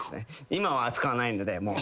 今は使わないのでもう。